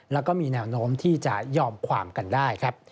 แล้วก็มีแนวโน้มที่จะยอมความกันได้ครับ